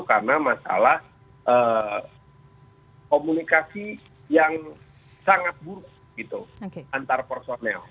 karena masalah komunikasi yang sangat buruk gitu antar personel